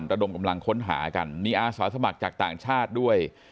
ระดมกำลังค้นหากันมีอาสาสมัครจากต่างชาติด้วย